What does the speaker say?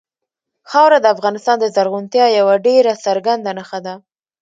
خاوره د افغانستان د زرغونتیا یوه ډېره څرګنده نښه ده.